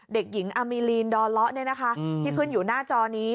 เด็กหญิงอามีลีนดอเลาะที่ขึ้นอยู่หน้าจอนี้